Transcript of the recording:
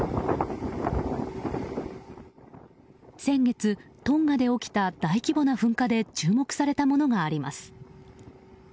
先月、トンガで起きた大規模な噴火で注目されたものがあります。